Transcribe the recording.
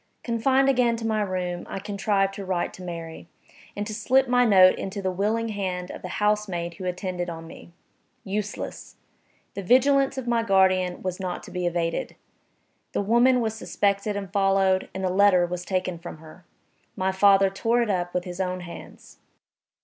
Confined again to my room, I contrived to write to Mary, and to slip my note into the willing hand of the housemaid who attended on me. Useless! The vigilance of my guardian was not to be evaded. The woman was suspected and followed, and the letter was taken from her. My father tore it up with his own hands.